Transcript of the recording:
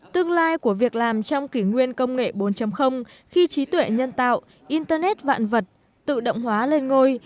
tương lai của việc làm trong kỷ nguyên công nghệ bốn khi trí tuệ nhân tạo internet vạn vật tự động hóa lên ngôi